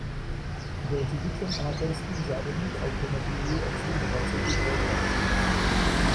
Byl řidičem amatérských závodních automobilů od svých dvaceti dvou let.